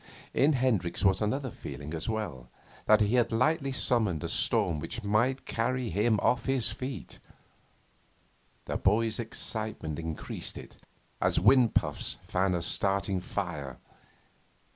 In Hendricks was another feeling as well that he had lightly summoned a storm which might carry him off his feet. The boy's excitement increased it, as wind puffs fan a starting fire.